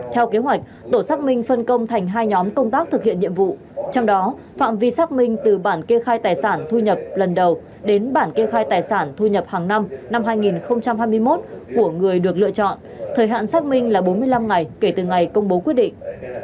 theo kế hoạch tổ xác minh phân công thành hai nhóm công tác thực hiện nhiệm vụ trong đó phạm vi xác minh từ bản kê khai tài sản thu nhập lần đầu đến bản kê khai tài sản thu nhập hàng năm năm hai nghìn hai mươi một của người được lựa chọn thời hạn xác minh là bốn mươi năm ngày kể từ ngày công bố quyết định